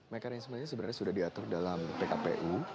mekanisme ini sebenarnya sudah diatur dalam pkpu